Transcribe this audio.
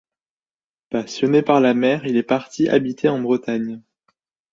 Passionné par la mer, il est parti habiter en Bretagne.